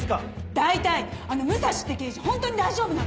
大体あの武蔵って刑事ホントに大丈夫なの？